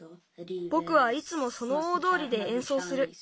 ぼくはいつもその大どおりでえんそうする。